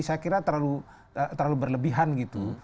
saya kira terlalu berlebihan gitu